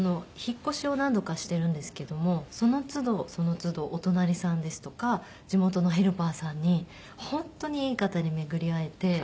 引っ越しを何度かしてるんですけどもその都度その都度お隣さんですとか地元のヘルパーさんに本当にいい方に巡り会えて。